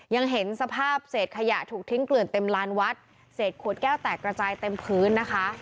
ยังเห็นสภาพเศษขยะถูกทิ้งเกลื่อนเต็มลานวัดเศษขวดแก้วแตกกระจายเต็มพื้นนะคะ